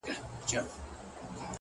• د خدای د عرش قهر د دواړو جهانونو زهر،